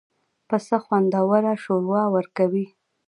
پسه خوندور شوروا ورکوي.